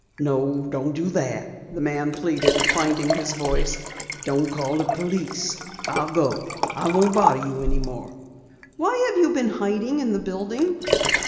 "No, don't do that," the man pleaded, finding his voice. "Don't call the police. I'll go. I won't bother you any more." "Why have you been hiding in the building?"